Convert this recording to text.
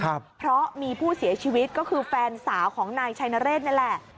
เพราะมีผู้เสียชีวิตก็คือแฟนสาวของนายชัยนเรศนี่แหละ